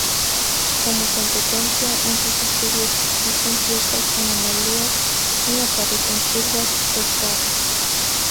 Como consecuencia, en sus estudios existen ciertas anomalías y aparecen curvas sesgadas.